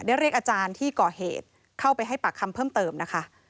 เรียกอาจารย์ที่ก่อเหตุเข้าไปให้ปากคำเพิ่มเติมนะคะ